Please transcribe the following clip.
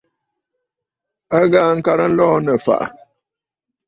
A ghaa ŋkarə nlɔɔ nɨ̂ ɨ̀fàʼà.